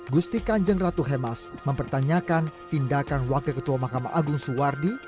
gusti kanjeng ratu hemas mempertanyakan tindakan wakil ketua mahkamah agung suwardi